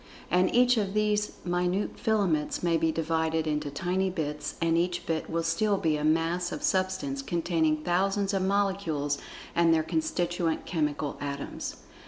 And each of these minute filaments may be divided into tiny bits, and each bit will still be a Mass of Substance containing thousands of molecules and their constituent chemical atoms.